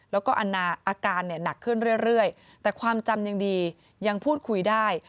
แล้วก็อาการเนี่ยหนักขึ้นเรื่อยแต่ความจำยังดียังพูดคุยได้